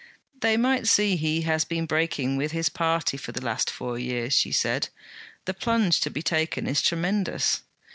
'They might see he has been breaking with his party for the last four years,' she said. 'The plunge to be taken is tremendous.'